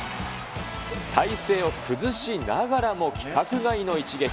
体勢を崩しながらも規格外の一撃。